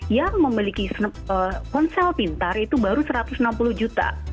yang memiliki ponsel pintar itu baru satu ratus enam puluh juta